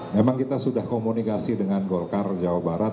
memang kita sudah komunikasi dengan golkar jawa barat